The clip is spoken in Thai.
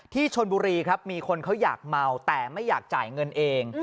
ที่ชนบุรีครับมีคนเขาอยากเมาแต่ไม่อยากจ่ายเงินเอง